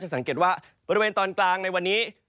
สังเกตว่าบริเวณตอนกลางในวันนี้